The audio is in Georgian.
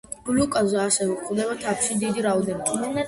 გლუკოზა ასევე გვხვდება თაფლში დიდი რაოდენობით.